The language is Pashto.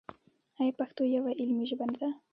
آیا پښتو یوه علمي ژبه نه ده؟